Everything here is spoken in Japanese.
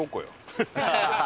ハハハハ！